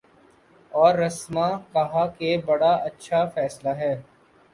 اور رسما کہا کہ بڑا اچھا فیصلہ ہے۔